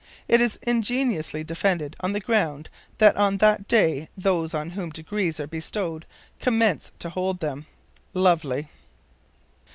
It is ingeniously defended on the ground that on that day those on whom degrees are bestowed commence to hold them. Lovely!